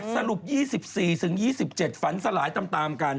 สรุป๒๔๒๗ฝันสลายตามกัน